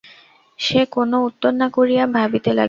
সে কোনো উত্তর না করিয়া ভাবিতে লাগিল।